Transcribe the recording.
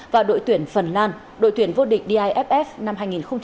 và đội tuyển phần lan đội tuyển vô địch diff năm hai nghìn một mươi chín